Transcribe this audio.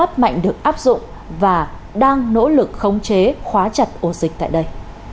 sẽ phát mạnh được áp dụng và đang nỗ lực khống chế khóa chặt ô dịch tại đây